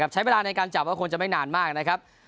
ใช้เวลาในการจับก็คงจะไม่นานมากนะครับ